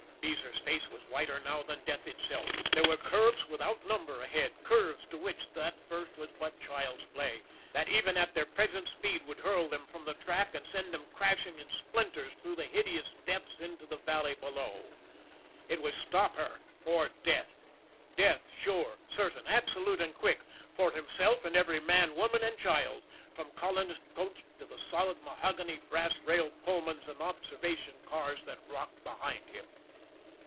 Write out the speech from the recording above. Beezer's face was whiter now than death itself. There were curves without number ahead, curves to which that first was but child's play, that even at their present speed would hurl them from the track and send them crashing in splinters through the hideous depths into the valley below. It was stop her, or death; death, sure, certain, absolute and quick, for himself and every man, woman and child, from colonist coach to the solid mahogany, brass railed Pullmans and observation cars that rocked behind him.